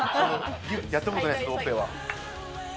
やったことないですけど、オペは。